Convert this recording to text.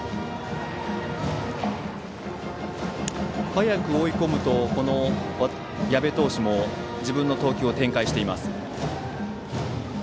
早く追い込むと矢部投手も自分の投球を展開しています。